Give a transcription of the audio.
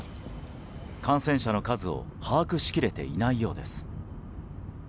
感染者の数を把握しきれていないようです。